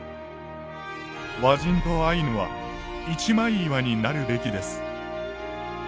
「和人とアイヌは一枚岩になるべきです」。